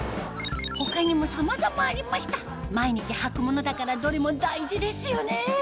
他にもさまざまありました毎日はくものだからどれも大事ですよね